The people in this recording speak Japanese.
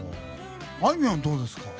あいみょん、どうですか？